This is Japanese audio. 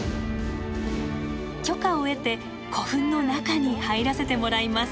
許可を得て古墳の中に入らせてもらいます。